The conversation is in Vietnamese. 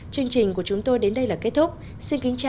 chương trình của chúng tôi đến đây là kết thúc xin kính chào và hẹn gặp lại